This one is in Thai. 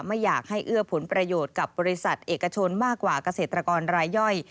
ไม่อยากให้เอื้อผลประโยชน์กับบริษัทเอกชนมากกว่าเกษตรกรรายย่อย